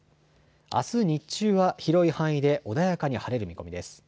あす日中は広い範囲で穏やかに晴れる見込みです。